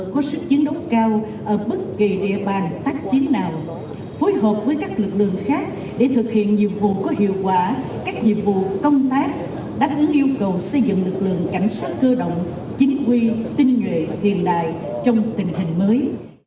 có sức chiến đấu cao ở bất kỳ địa bàn tác chiến nào phối hợp với các lực lượng khác để thực hiện nhiệm vụ có hiệu quả các nhiệm vụ công tác đáp ứng yêu cầu xây dựng lực lượng cảnh sát cơ động chính quy tinh nhuệ hiện đại trong tình hình mới